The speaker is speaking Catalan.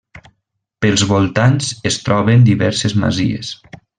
Pels voltants es troben diverses masies.